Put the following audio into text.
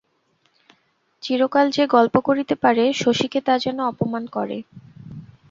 চিরকাল যে গল্প করিতে পারে, শশীকে তা যেন অপমান করে।